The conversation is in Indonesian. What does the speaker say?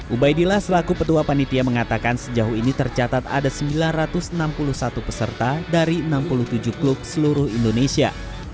ubaidillah selaku petua panitia mengatakan sejauh ini tercatat ada sembilan ratus enam puluh satu peserta dari enam puluh tujuh klub seluruh indonesia